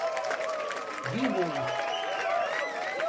Diwan-t.